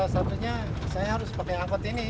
satunya saya harus pakai angkot ini